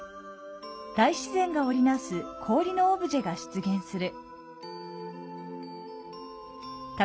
大自然が織りなす氷のオブジェが出現する。